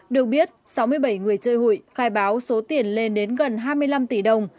được biết sáu mươi bảy người chơi hụi khai báo số tiền lên đến gần hai mươi năm tỷ đồng